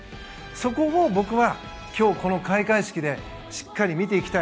そこを僕は今日、この開会式でしっかり見ていきたい。